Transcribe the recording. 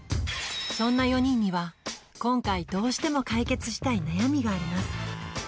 そんな４人には今回どうしても解決したい悩みがあります